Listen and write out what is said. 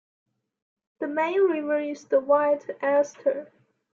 The main river is the White Elster.